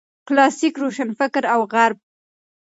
کلاسیک روشنفکر او غرب